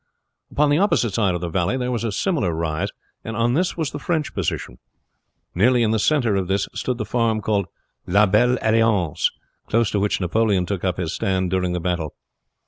Upon the opposite side of the valley there was a similar rise, and on this was the French position. Nearly in the center of this stood the farm called La Belle Alliance, close to which Napoleon took up his stand during the battle.